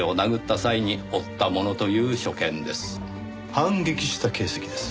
反撃した形跡です。